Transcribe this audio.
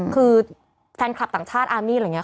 คือแฟนคลับต่างชาติอาร์มี่อะไรอย่างนี้